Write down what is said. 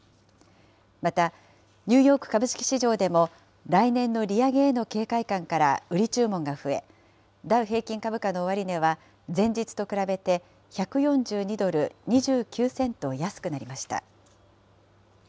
また、ニューヨーク株式市場でも、来年の利上げへの警戒感から売り注文が増え、ダウ平均株価の終値は、前日と比べて１４２ドル２９セント安くなりました。